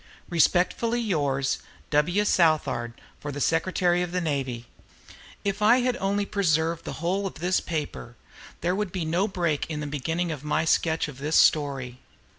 "Respectfully yours, "W. SOUTHARD, for the "Secretary of the Navy" If I had only preserved the whole of this paper, there would be no break in the beginning of my sketch of this story.